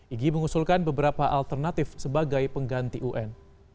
igi mengusulkan beberapa alternatif sebagai pengganti un